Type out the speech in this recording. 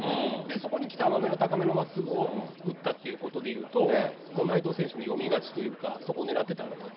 そこに来た甘めの高めのまっすぐを打ったっていうことでいうと、もう内藤選手の読み勝ちというか、そこを狙ってたという。